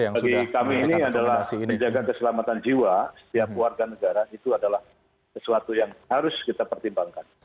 bagi kami ini adalah menjaga keselamatan jiwa setiap warga negara itu adalah sesuatu yang harus kita pertimbangkan